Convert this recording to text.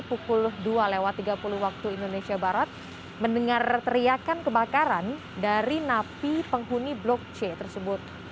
pukul dua tiga puluh wib mendengar teriakan kebakaran dari napi penghuni blok c tersebut